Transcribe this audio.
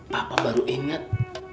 papa baru inget